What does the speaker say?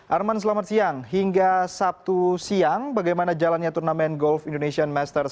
arman selamat siang hingga sabtu siang bagaimana jalannya turnamen golf indonesian masters dua ribu tujuh belas